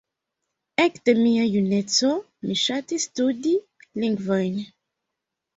Ekde mia juneco, mi ŝatis studi lingvojn.